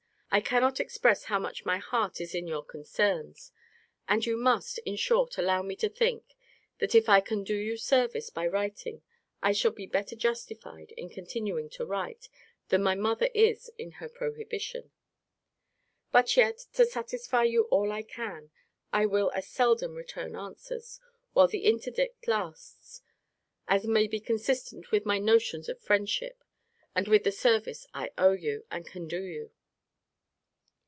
I cannot express how much my heart is in your concerns. And you must, in short, allow me to think, that if I can do you service by writing, I shall be better justified in continuing to write, than my mother is in her prohibition. But yet, to satisfy you all I can, I will as seldom return answers, while the interdict lasts, as may be consistent with my notions of friendship, and with the service I owe you, and can do you.